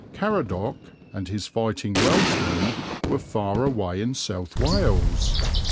Caradoc and his fighting Welshmen were far away in South Wales.